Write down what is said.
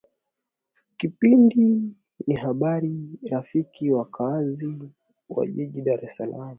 kipindi ni habari rafiki wakaazi wa jiji la dar es salaam